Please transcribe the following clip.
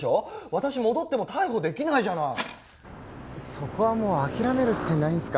私戻っても逮捕できないじゃないそこはもう諦めるってないんすか？